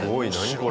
これ。